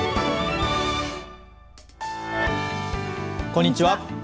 こんにちは。